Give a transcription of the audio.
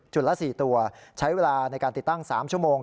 ละ๔ตัวใช้เวลาในการติดตั้ง๓ชั่วโมง